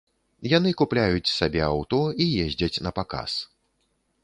Яны купляюць сабе аўто і ездзяць напаказ.